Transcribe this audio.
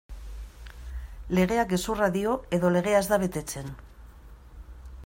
Legeak gezurra dio edo legea ez da betetzen?